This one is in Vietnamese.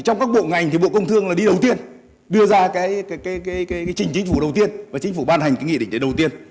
trong các bộ ngành thì bộ công thương là đi đầu tiên đưa ra cái trình chính phủ đầu tiên và chính phủ ban hành cái nghị định đấy đầu tiên